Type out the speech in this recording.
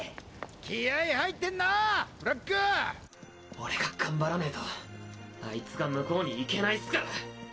俺が頑張らねぇとアイツが向こうに行けないっスから。